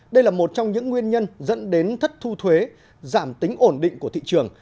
đây là một trong những nguyên nhân dẫn đến thất thu thuế giảm tính ổn định của thị trường